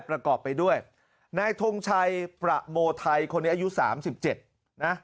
ประกอบไปด้วยนายทงชัยประโมไทยคนนี้อายุ๓๗นะ